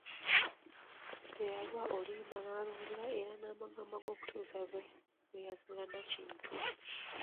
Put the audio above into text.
Teyalwa oluyimba n'aluwulira era n'amagamaga okutuusa bwe yazuula Nakintu.